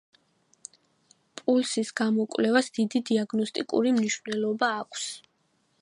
პულსის გამოკვლევას დიდი დიაგნოსტიკური მნიშვნელობა აქვს.